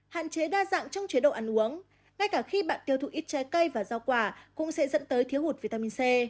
hạn chế đa dạng trong chế độ ăn uống ngay cả khi bạn tiêu thụ ít trái cây và rau quả cũng sẽ dẫn tới thiếu hụt vitamin c